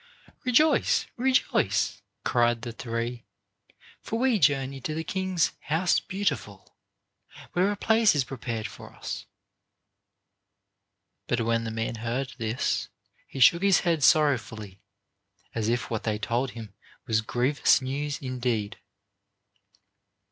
"Rejoice, rejoice!" cried the three; "for we journey to the king's House Beautiful, where a place is prepared for us." But when the man heard this he shook his head sorrowfully as if what they told him was grievous news indeed.